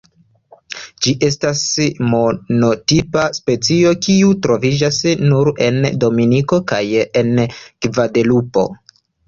Ĝi estas monotipa specio kiu troviĝas nur en Dominiko kaj en Gvadelupo.